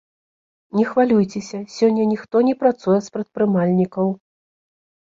Не хвалюйцеся, сёння ніхто не працуе з прадпрымальнікаў.